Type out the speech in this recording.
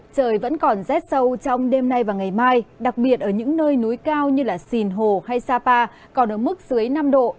trời vẫn còn rét sâu trong đêm nay và ngày mai đặc biệt ở những nơi núi cao như sìn hồ hay sapa còn ở mức dưới năm độ